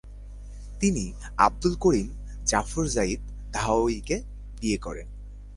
তিনি আবদুল করিম জাফর জাইদ ধাওয়িকে বিয়ে করেন।